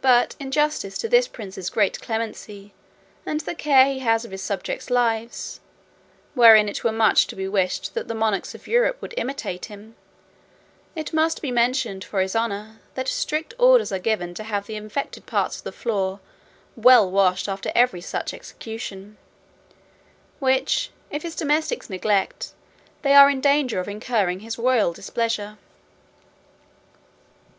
But in justice to this prince's great clemency, and the care he has of his subjects' lives (wherein it were much to be wished that the Monarchs of Europe would imitate him), it must be mentioned for his honour, that strict orders are given to have the infected parts of the floor well washed after every such execution, which, if his domestics neglect, they are in danger of incurring his royal displeasure.